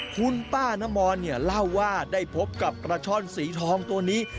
คุณป้านมรเนี่ยเล่าว่าได้พบกับปลาช่อนสีทองตัวนี้